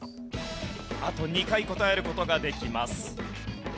あと２回答える事ができます。